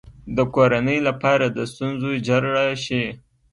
د کورنۍ لپاره د ستونزو جرړه شي.